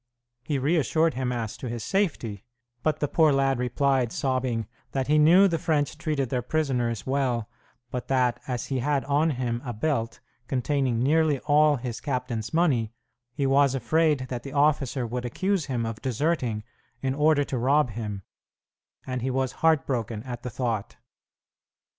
He reassured him as to his safety, but the poor lad replied, sobbing, that he knew the French treated their prisoners well, but that, as he had on him a belt containing nearly all his captain's money, he was afraid that the officer would accuse him of deserting in order to rob him, and he was heart broken at the thought.